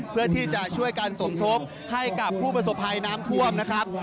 เพื่อที่จะช่วยการสมทบให้กับผู้ประสบภัยน้ำท่วมนะครับ